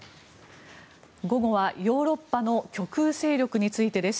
午後はヨーロッパの極右勢力についてです。